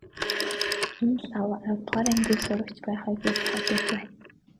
Энэ ч лав аравдугаар ангийн сурагч байх аа гэж байна.